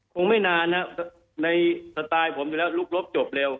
คงไม่นานนะในสไตล์ผมอยู่แล้วลุกลบจบเร็ว